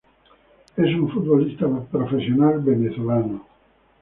Es un futbolista Profesional venezolano.